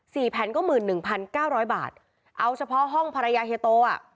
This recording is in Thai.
แผ่นก็หมื่นหนึ่งพันเก้าร้อยบาทเอาเฉพาะห้องภรรยาเฮียโตอ่ะ